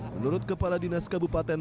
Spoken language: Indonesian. menurut kepala dinas kebupaten